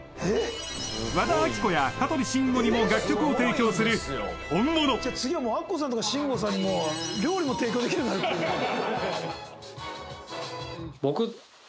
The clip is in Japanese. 和田アキ子や香取慎吾にも楽曲を提供する本物じゃあ次はもうアッコさんとか慎吾さんに料理も提供できるようなるっていうえっ？